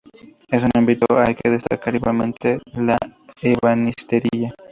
En este ámbito hay que destacar igualmente la ebanistería.